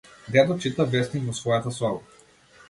Дедо чита весник во својата соба.